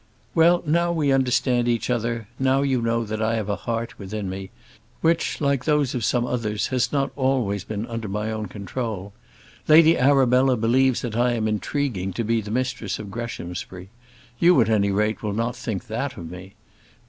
"Well, now we understand each other; now you know that I have a heart within me, which like those of some others has not always been under my own control. Lady Arabella believes that I am intriguing to be the mistress of Greshamsbury. You, at any rate, will not think that of me.